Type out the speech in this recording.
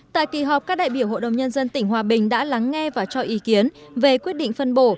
tại kỳ họp các đại biểu hội đồng nhân dân tỉnh hòa bình đã lắng nghe và cho ý kiến về quyết định phân bổ